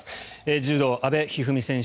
柔道、阿部一二三選手